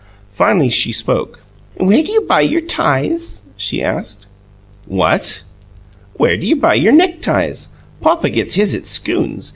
Finally, she spoke. "Where do you buy your ties?" she asked. "What?" "Where do you buy your neckties? Papa gets his at Skoone's.